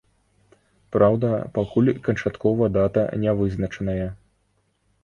Праўда, пакуль канчаткова дата не вызначаная.